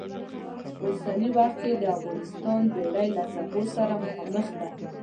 په اوسني وخت کې د افغانستان بېړۍ له څپو سره مخامخ ده.